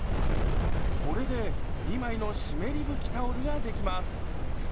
これで２枚の湿り拭きタオルができます。